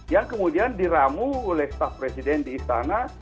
yang kemudian diramu oleh staff presiden di istana